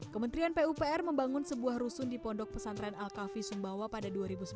kementerian pupr membangun sebuah rusun di pondok pesantren al kafi sumbawa pada dua ribu sembilan belas